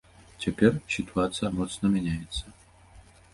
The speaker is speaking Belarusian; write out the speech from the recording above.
Цяпер сітуацыя моцна мяняецца.